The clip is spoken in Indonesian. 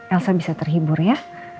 elsa bisa terhibur ya